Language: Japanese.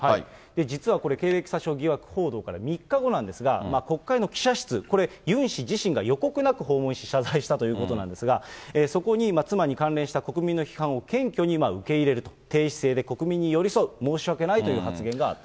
実はこれ、経歴詐称疑惑報道から３日後なんですが、国会の記者室、これ、ユン氏自身が予告なく訪問し、謝罪したということなんですが、そこに妻に関連した国民の批判を謙虚に受け入れると、低姿勢で国民に寄り添う、申し訳ないという発言があったと。